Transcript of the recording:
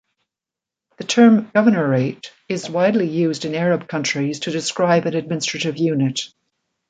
The term governorate is widely used in Arab countries to describe an administrative unit.